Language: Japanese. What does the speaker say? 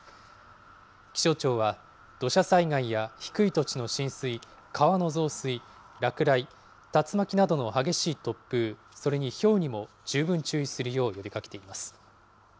気象庁は、土砂災害や低い土地の浸水、川の増水、落雷、竜巻などの激しい突風、それにひょうにも十分注意するよう呼びかけています。